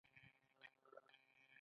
غوماشې د کثافاتو سره نزدې وي.